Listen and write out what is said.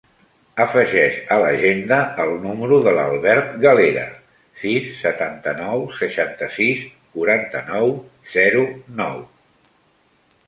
Afegeix a l'agenda el número de l'Albert Galera: sis, setanta-nou, seixanta-sis, quaranta-nou, zero, nou.